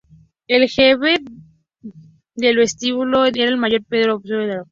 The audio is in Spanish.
El jefe de El Vesubio era el Mayor Pedro Alberto Durán Saenz.